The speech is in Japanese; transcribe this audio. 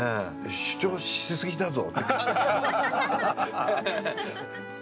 主張しすぎだぞ。